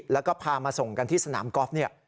แล้วก็พามาส่งกันที่สนามก๊อฟ